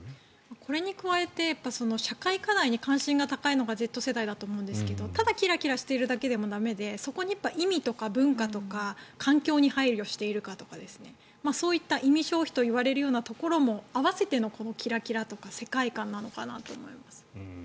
これに加えて社会課題に関心が高いのがＺ世代だと思うんですけどただキラキラしているだけでも駄目でそこに意味とか文化とか環境に配慮しているかとかそういった意味消費といわれるところも合わせての、このキラキラとか世界観なのかなと思います。